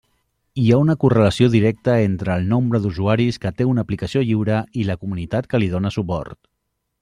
Hi ha una correlació directa entre el nombre d'usuaris que té una aplicació lliure i la comunitat que li dóna suport.